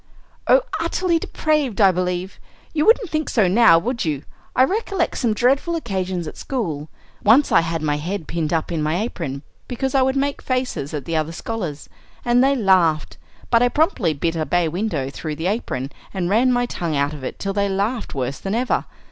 "Oh, utterly depraved, I believe. You wouldn't think so now, would you? I recollect some dreadful occasions at school. Once I had my head pinned up in my apron because I would make faces at the other scholars, and they laughed; but I promptly bit a bay window through the apron, and ran my tongue out of it till they laughed worse than ever.